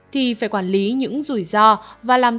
thì phải quản lý những rủi ro và làm